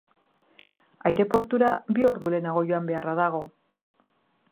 Aireportura bi ordu lehenago joan beharra dago.